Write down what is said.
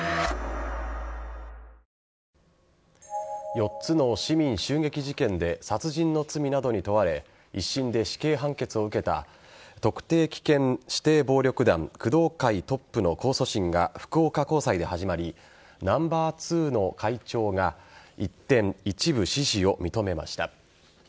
４つの市民襲撃事件で殺人の罪などに問われ一審で死刑判決を受けた特定危険指定暴力団工藤会トップの控訴審が福岡高裁で始まりナンバー２の会長が一転、一部指示を認めました。